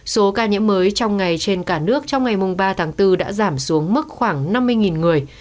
số ca nhiễm mới trong ngày trên cả nước trong ngày ba tháng bốn đã giảm xuống mức khoảng năm mươi người